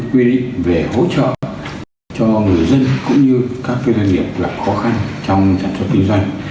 quy định về hỗ trợ cho người dân cũng như các doanh nghiệp gặp khó khăn trong sản xuất kinh doanh